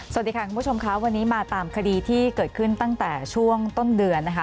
สวัสดีค่ะคุณผู้ชมค่ะวันนี้มาตามคดีที่เกิดขึ้นตั้งแต่ช่วงต้นเดือนนะคะ